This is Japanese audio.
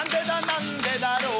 なんでだろう